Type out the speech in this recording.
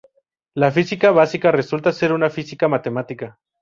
La física básica resulta ser una física matemática.